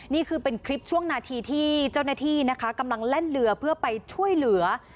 นี่คือเป็นคลิปช่วงนาทีที่เจ้าหน้าที่นะคะกำลังแล่นเรือเพื่อไปช่วยเหลือ